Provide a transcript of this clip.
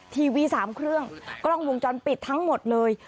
ทีวี๓เครื่องกล้องวงจรปิดทั้งหมดเลย